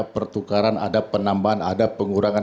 pertukaran ada penambahan ada pengurangan